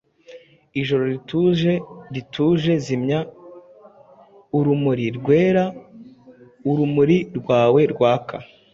Ijoro rituje, rituje, Zimya urumuri rwera Urumuri rwawe rwaka;